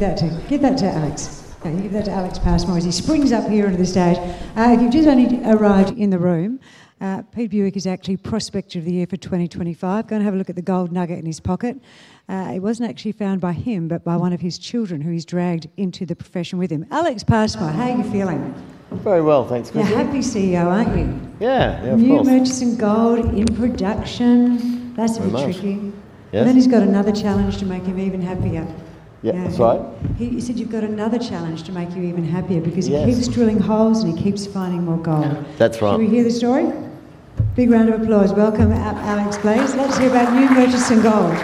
That to, give that to Alex. Okay, give that to Alex Passmore as he springs up here onto the stage. If you've just only arrived in the room, Pete Berwick is actually Prospector of the Year for 2025. Go and have a look at the gold nugget in his pocket. It wasn't actually found by him, but by one of his children, who he's dragged into the profession with him. Alex Passmore, how are you feeling? Very well, thanks, Chrissy. You're a happy CEO, aren't you? Yeah. Yeah, of course. New Murchison Gold in production. Very much. That's pretty tricky. Yes. And then he's got another challenge to make him even happier. Yeah, that's right. You said you've got another challenge to make you even happier? Yes.... because he keeps drilling holes, and he keeps finding more gold. That's right. Shall we hear the story? Big round of applause. Welcome, Alex, please. Let's hear about New Murchison Gold.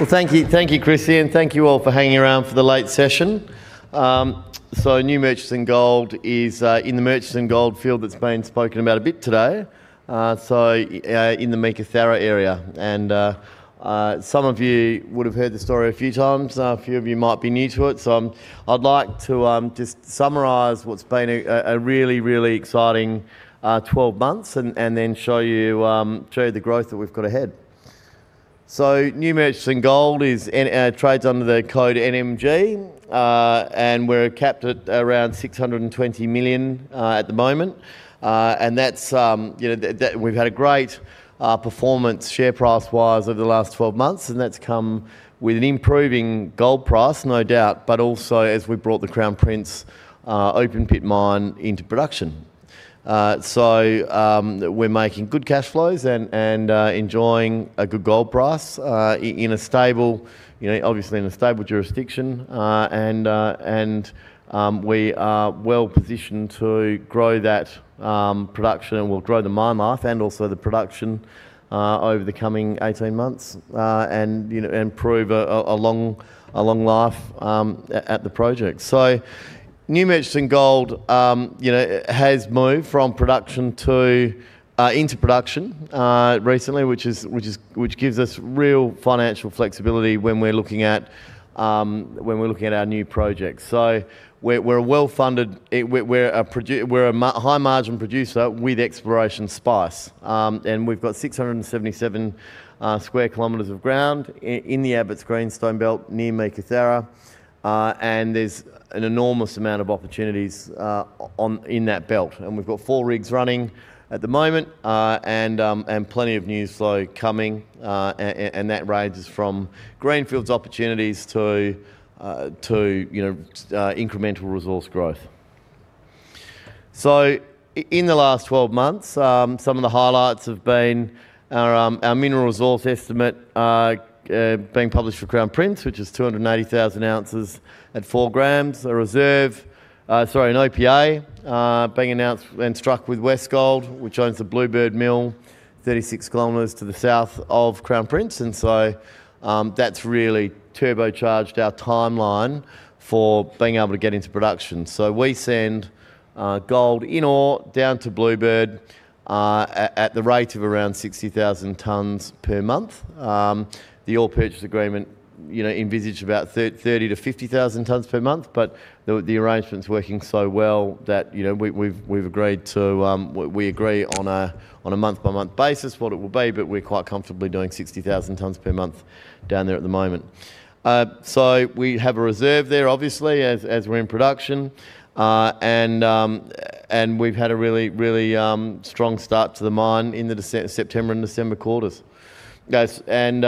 Well, thank you. Thank you, Chrissy, and thank you all for hanging around for the late session. So New Murchison Gold is in the Murchison Goldfield that's been spoken about a bit today, so in the Meekatharra area. And some of you would have heard this story a few times, a few of you might be new to it. So I'd like to just summarize what's been a really, really exciting 12 months, and then show you the growth that we've got ahead. So New Murchison Gold is and trades under the code NMG. And we're capped at around 620 million at the moment. And that's, you know, that, that... We've had a great performance share price-wise over the last 12 months, and that's come with an improving gold price, no doubt, but also, as we brought the Crown Prince open pit mine into production. So, we're making good cash flows and enjoying a good gold price in a stable, you know, obviously in a stable jurisdiction. And we are well positioned to grow that production, and we'll grow the mine life and also the production over the coming 18 months, and, you know, and improve a long life at the project. So New Murchison Gold, you know, has moved from production to... into production recently, which gives us real financial flexibility when we're looking at our new projects. So we're a well-funded. We're a high-margin producer with exploration spice. And we've got 677 square kilometers of ground in the Abbotts Greenstone Belt near Meekatharra, and there's an enormous amount of opportunities in that belt. And we've got four rigs running at the moment, and plenty of news flow coming, and that ranges from greenfields opportunities to, you know, incremental resource growth. So in the last 12 months, some of the highlights have been our Mineral Resource Estimate being published for Crown Prince, which is 280,000 oz at 4 g. A reserve, sorry, an OPI being announced and struck with Westgold, which owns the Bluebird Mill, 36 kilometers to the south of Crown Prince. And so, that's really turbocharged our timeline for being able to get into production. So we send gold in ore down to Bluebird at the rate of around 60,000 tons per month. The ore purchase agreement, you know, envisaged about 30,000 tons-50,000 tons per month, but the arrangement's working so well that, you know, we've agreed to, we agree on a month-by-month basis what it will be, but we're quite comfortably doing 60,000 tons per month down there at the moment. So we have a reserve there, obviously, as we're in production, and we've had a really, really strong start to the mine in the September and December quarters. Yes, and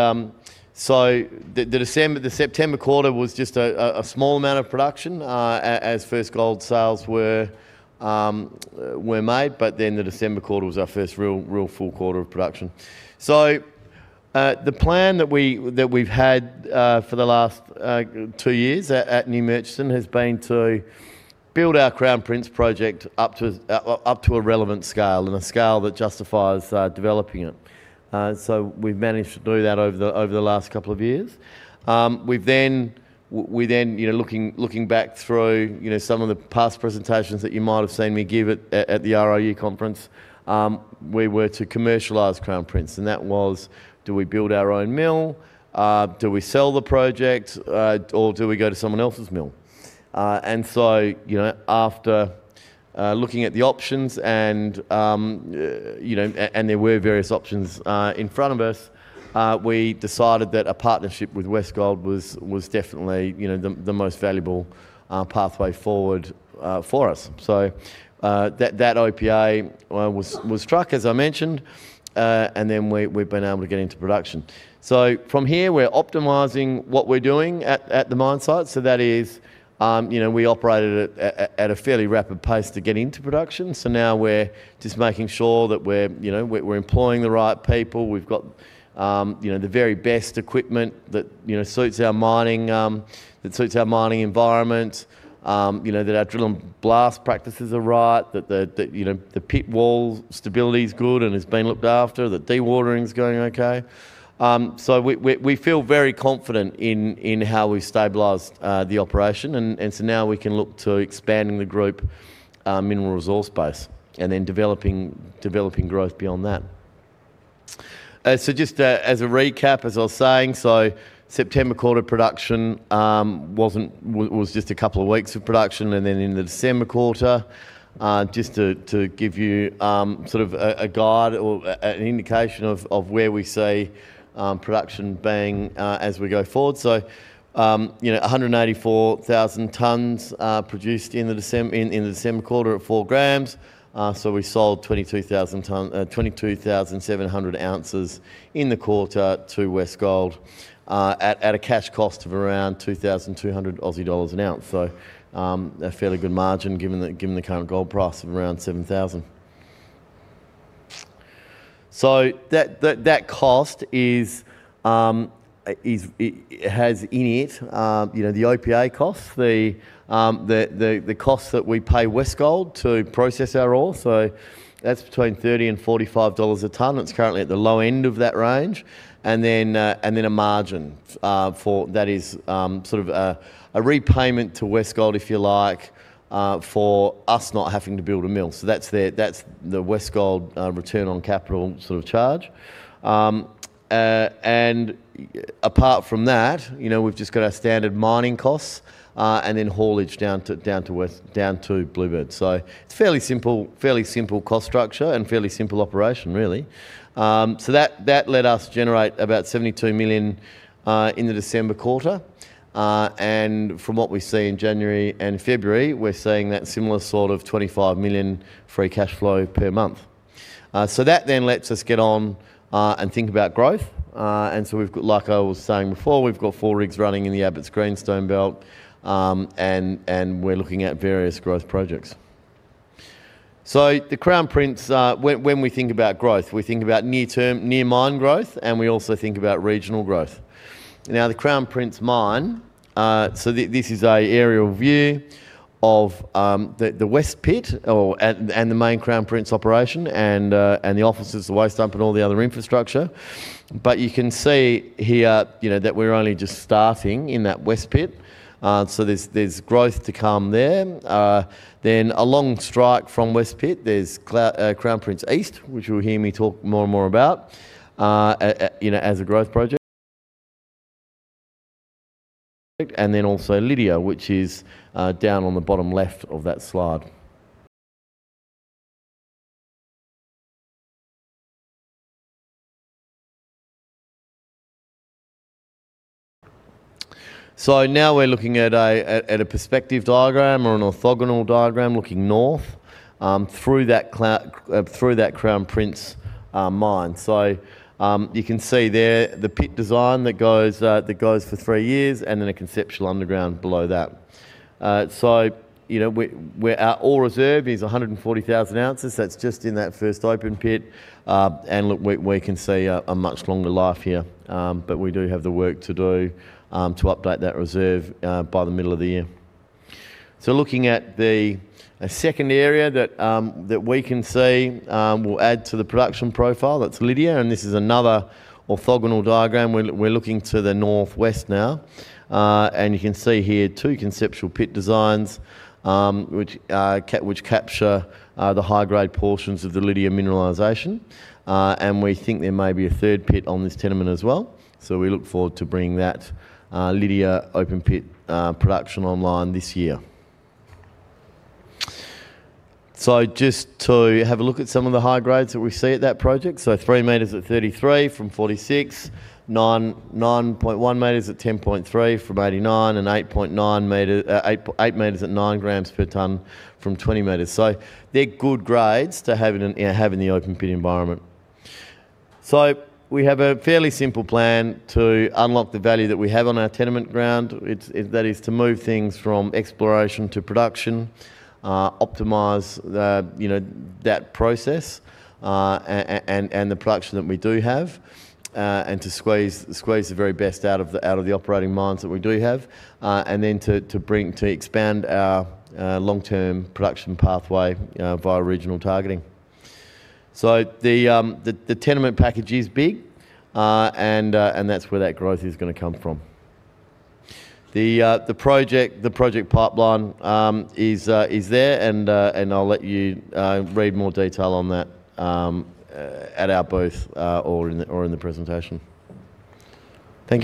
so the December - the September quarter was just a small amount of production, as first gold sales were made, but then the December quarter was our first real, real full quarter of production. So, the plan that we, that we've had, for the last, two years at, at New Murchison has been to build our Crown Prince project up to, up to a relevant scale and a scale that justifies, developing it. So we've managed to do that over the last couple of years. We've then, we then, you know, looking back through, you know, some of the past presentations that you might have seen me give at, at the RIU conference, we were to commercialize Crown Prince, and that was: Do we build our own mill? Do we sell the project, or do we go to someone else's mill? And so, you know, after looking at the options and, you know, and there were various options in front of us, we decided that a partnership with Westgold was definitely, you know, the most valuable pathway forward for us. That OPI was struck, as I mentioned, and then we've been able to get into production. From here, we're optimizing what we're doing at the mine site. That is, you know, we operated at a fairly rapid pace to get into production. Now we're just making sure that we're, you know, we're employing the right people. We've got, you know, the very best equipment that suits our mining, that suits our mining environment. You know, that our drill and blast practices are right, that you know, the pit wall stability is good and it's been looked after, that dewatering is going okay. So we feel very confident in how we've stabilized the operation, and so now we can look to expanding the group mineral resource base and then developing growth beyond that. So just as a recap, as I was saying, so September quarter production was just a couple of weeks of production, and then in the December quarter, just to give you sort of a guide or an indication of where we see production being as we go forward. So, you know, 184,000 tons produced in the December quarter at 4 g. So we sold 22,700 oz in the quarter to Westgold at a cash cost of around 2,200 Aussie dollars an ounce. So, a fairly good margin, given the current gold price of around 7,000. So that cost is, it has in it, you know, the OPA costs, the costs that we pay Westgold to process our ore. So that's between 30-45 dollars a ton. It's currently at the low end of that range. Then a margin for that is sort of a repayment to Westgold, if you like, for us not having to build a mill. So that's their, that's the Westgold return on capital sort of charge. And apart from that, you know, we've just got our standard mining costs, and then haulage down to Westgold, down to Bluebird. So it's fairly simple, fairly simple cost structure and fairly simple operation, really. So that let us generate about 72 million in the December quarter. And from what we see in January and February, we're seeing that similar sort of 25 million free cash flow per month. So that then lets us get on and think about growth. And so we've got, like I was saying before, we've got four rigs running in the Abbotts Greenstone Belt, and we're looking at various growth projects. So the Crown Prince, when we think about growth, we think about near-term, near mine growth, and we also think about regional growth. Now, the Crown Prince mine, so this is an aerial view of the West Pit, and the main Crown Prince operation, and the offices, the waste dump, and all the other infrastructure. But you can see here, you know, that we're only just starting in that West Pit, so there's growth to come there. Then a long strike from West Pit, there's Crown Prince East, which you'll hear me talk more and more about, you know, as a growth project. And then also Lydia, which is down on the bottom left of that slide. So now we're looking at a perspective diagram or an orthogonal diagram looking north through that Crown Prince mine. So you can see there the pit design that goes for three years and then a conceptual underground below that. So, you know, our ore reserve is 140,000 ounces. That's just in that first open pit. And look, we can see a much longer life here, but we do have the work to do to update that reserve by the middle of the year. So looking at the second area that we can see will add to the production profile, that's Lydia, and this is another orthogonal diagram. We're looking to the northwest now, and you can see here two conceptual pit designs, which capture the high-grade portions of the Lydia mineralization. And we think there may be a third pit on this tenement as well, so we look forward to bringing that Lydia open pit production online this year. So just to have a look at some of the high grades that we see at that project. So, 3 m at 33 g from 46 m, 9.1 m at 10.3 g from 89 m, and 8 m at 9 g per ton from 20 m. So they're good grades to have in the open pit environment. So we have a fairly simple plan to unlock the value that we have on our tenement ground. It is to move things from exploration to production, optimize the, you know, that process, and the production that we do have, and to squeeze the very best out of the operating mines that we do have. And then to expand our long-term production pathway via regional targeting. So the tenement package is big, and that's where that growth is going to come from. The project, the project pipeline, is there, and I'll let you read more detail on that at our booth or in the presentation. Thank you.